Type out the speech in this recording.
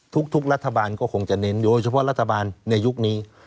ทุกทุกรัฐบาลคงจะเน้นโดยกันเหมือนรัฐบาลในยุคนี้